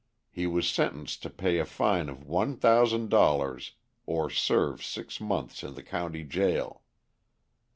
He was sentenced to pay a fine of one thousand dollars or serve six months in the county jail.